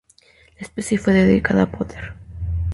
La especie fue dedicada a Porter.